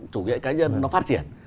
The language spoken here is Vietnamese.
chủ nghĩa cá nhân nó phát triển